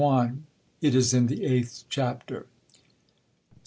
it is in the eighth chapter.